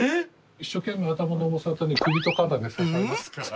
一生懸命頭の重さ首と肩で支えますから。